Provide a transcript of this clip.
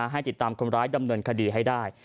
ให้ติดตามคนร้ายดำเนินคดีให้ได้